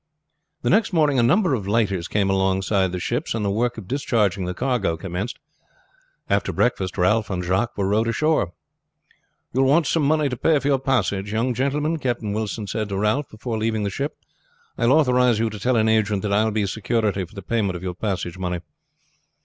The next morning a number of lighters came alongside the ships, and the work of discharging the cargo commenced. After breakfast Ralph and Jacques were rowed ashore. "You will want some money to pay for your passage, young gentleman." Captain Wilson said to Ralph before leaving the ship. "I will authorize you to tell an agent that I will be security for the payment of your passage money."